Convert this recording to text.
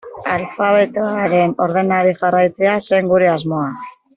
Alfabetoaren ordenari jarraitzea zen gure asmoa.